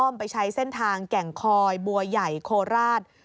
ไปใช้เส้นทางแก่งคอยบัวใหญ่โคราช